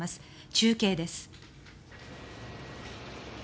中継です。